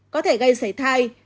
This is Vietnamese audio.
có thể gây sảy thai